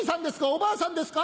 おばあさんですか？